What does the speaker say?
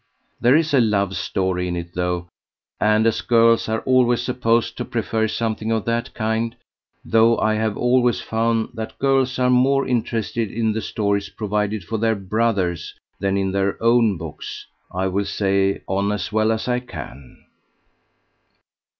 There is a love story in it, though, and as girls are always supposed to prefer something of that kind though I have always found that girls are more interested in the stories provided for their brothers than in their own books I will say on as well as I can."